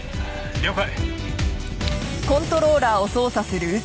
了解！